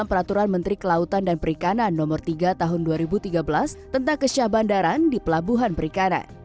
dan peraturan menteri kelautan dan perikanan no tiga tahun dua ribu tiga belas tentang kesyah bandaran di pelabuhan perikanan